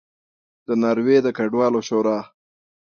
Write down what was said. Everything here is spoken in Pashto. د ناروې د کډوالو شورا